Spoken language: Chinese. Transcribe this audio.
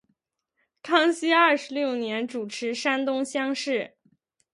康熙二十六年主持山东乡试。